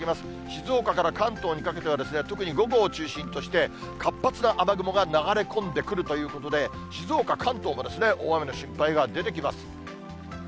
静岡から関東にかけては、特に午後を中心として、活発な雨雲が流れ込んでくるということで、静岡、関東も大雨の心配が出てきます。